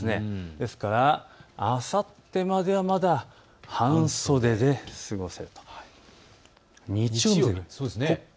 ですから、あさってまではまだ半袖で過ごせると。